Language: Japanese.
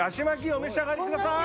お召し上がりください！